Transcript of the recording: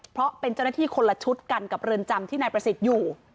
เพราะเป็นเจ้าหน้าที่คนละชุดกันกับเรือนจำที่นายประสิทธิ์อยู่